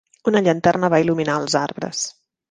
Una llanterna va il·luminar els arbres.